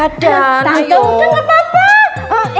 tante udah nggak apa apa